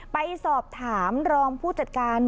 ไปสอบถามรองผู้จัดการในวันนั้น